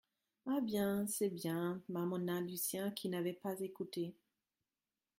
Ah bien, c’est bien, marmonna Lucien qui n’avait pas écouté.